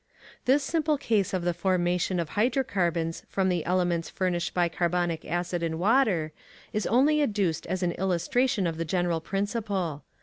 This simple case of the formation of hydrocarbons from the elements furnished by carbonic acid and water is only adduced as an illustration of the general principle.